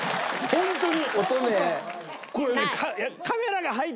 ホントに。